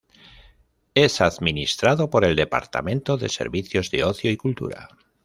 Es administrado por el Departamento de Servicios de Ocio y Cultura.